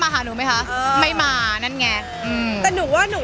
บอกเลยนะคะว่า